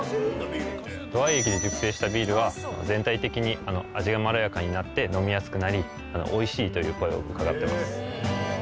土合駅で熟成したビールは全体的に味がまろやかになって飲みやすくなり美味しいという声を伺っています。